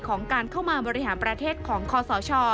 ของการเข้ามาบริหารประเทศของคอสช